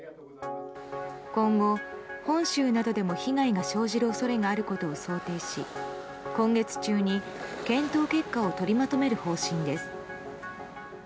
今後、本州などでも被害が生じる恐れがあることを想定し今月中に検討結果を取りまとめる方針です。